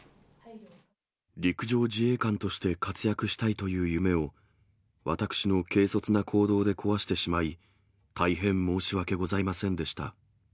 陸上自衛官として活躍したいという夢を、私の軽率な行動で壊してしまい、大変申し訳ございませんでした。